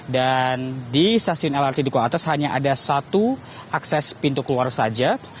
dan di stasiun lrt duku atas hanya ada satu akses pintu keluar saja